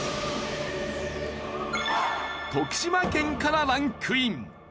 徳島県からランクイン。